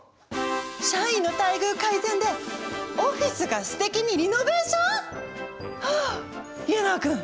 社員の待遇改善でオフィスがすてきにリノベーション？はあ家長くん！